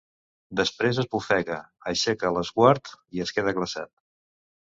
Després esbufega, aixeca l'esguard i es queda glaçat.